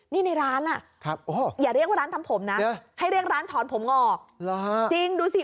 นี่ในร้านอย่าเรียกว่าร้านทำผมนะให้เรียกร้านถอนผมออกจริงดูสิ